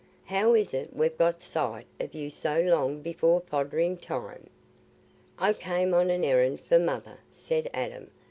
"How is it we've got sight o' you so long before foddering time?" "I came on an errand for Mother," said Adam.